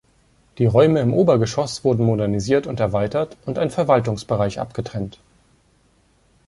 Die Räume im Obergeschoss wurden modernisiert und erweitert und ein Verwaltungsbereich abgetrennt.